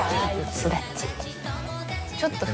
ちょっと。